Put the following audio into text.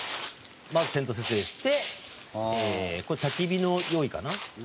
「まずテント設営してこれ焚き火の用意かな？」